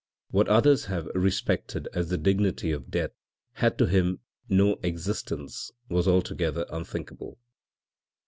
What others have respected as the dignity of death had to him no existence was altogether unthinkable.